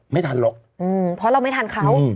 ไม่ทันหรอก